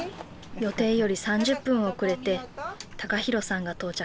予定より３０分遅れて陽大さんが到着。